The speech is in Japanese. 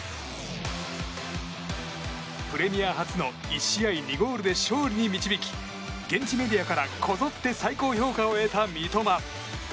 プレミア初の１試合２ゴールで勝利に導き現地メディアからこぞって最高評価を得た三笘。